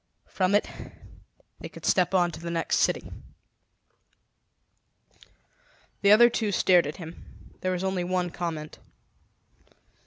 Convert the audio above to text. From it they could step on to the next city." The other two stared at him. There was only one comment.